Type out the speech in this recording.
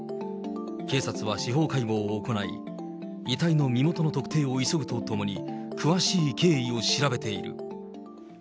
警察は司法解剖を行い、遺体の身元の特定を急ぐとともに、詳しい経緯を調べている。